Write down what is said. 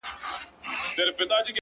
گراني رڼا مه كوه مړ به مي كړې،